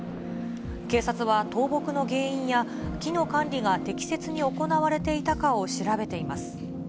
警察は倒木の原因や、木の管理が適切に行われていたかを調べています。